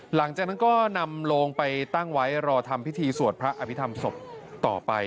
หลังจากนั้นก็นำโลงไปตั้งไว้รอทำพิธีสวดพระอภิษฐรรมศพต่อไป